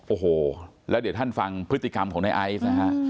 โอ้โหแล้วเดี๋ยวท่านฟังพฤติกรรมของในไอซ์นะฮะ